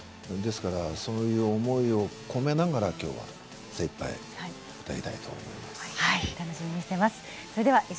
そういう思いを込めながら精いっぱい歌いたいと思います。